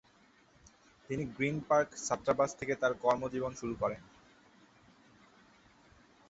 তিনি Green Park ছাত্রাবাস থেকে তার কর্মজীবন শুরু করেন।